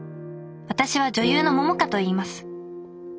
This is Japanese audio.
私は女優の桃果といいます。